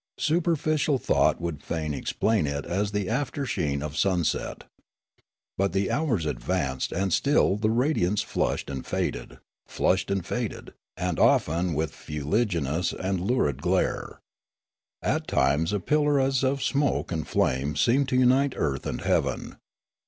Superficial thought would fain explain it as the after sheen of sunset. But the hours advanced and still the radiance flushed and faded, flushed and faded, and often with fuliginous and lurid glare. At times a pillar as of smoke and flame seemed to unite earth and heaven.